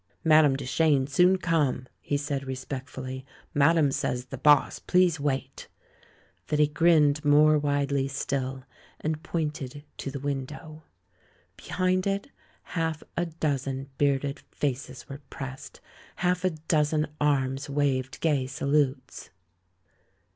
"Madame Duchene soon come," he said re spectfully; "madame says, the haas please wait!" Then he grinned more widely still, and pointed to the window. Behind it, half a dozen bearded faces were pressed ; half a dozen arms waved gay salutes.